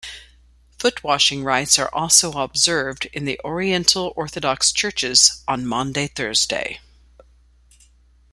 Foot washing rites are also observed in the Oriental Orthodox churches on Maundy Thursday.